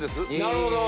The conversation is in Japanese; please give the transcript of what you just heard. なるほど。